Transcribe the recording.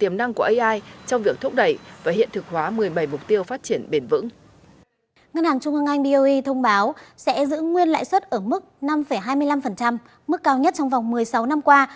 trong vòng một mươi sáu năm qua